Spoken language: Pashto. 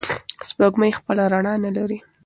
سپوږمۍ خپله رڼا نلري.